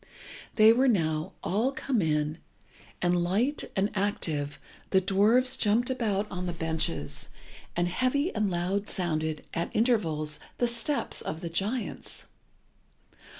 They were now all come in, and, light and active, the dwarfs jumped about on the benches, and heavy and loud sounded, at intervals, the steps of the giants.